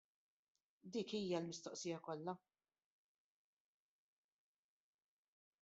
Dik hija l-mistoqsija kollha.